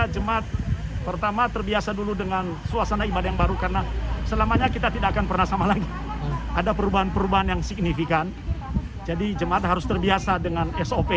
jemaat harus terbiasa dengan sop